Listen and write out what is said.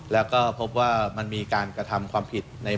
แล้วก็พบว่ามันมีการกระทำความผิด